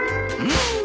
うん。